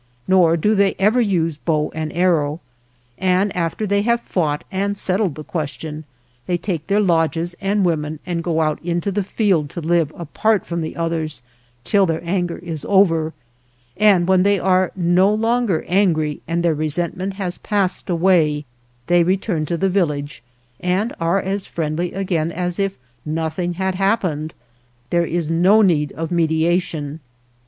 Nor do they ever use bow and arrow, and after they have fought and settled the question, they take their lodges and women and go out into the field to live apart from the others till their anger is over, and when they are no longer angry and their resentment has passed away they return to the village and are as friendly again as if nothing had happened. There is no need of mediation.